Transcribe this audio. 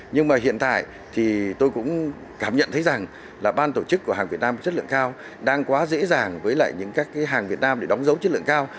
nhưng mà hiện tại thì tôi cũng cảm nhận thấy rằng là ban tổ chức của hàng việt nam chất lượng cao đang quá dễ dàng với lại những các cái hàng việt nam để đóng dấu chất lượng cao